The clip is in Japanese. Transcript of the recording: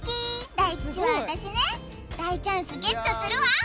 大吉は私ね大チャンスゲットするわ！